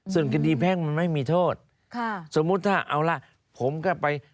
ส่วนคดีแพ่งมันไม่มีโทษค่ะสมมุติถ้าเอาล่ะผมก็ไป